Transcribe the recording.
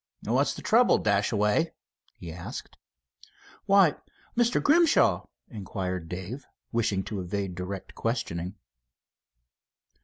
"What's the trouble, Dashaway?" he asked. "Why, Mr. Grimshaw?" inquired Dave, wishing to evade direct questioning.